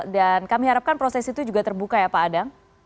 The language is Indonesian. dan kami harapkan proses itu juga terbuka ya pak adang